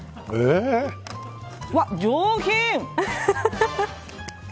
わっ、上品。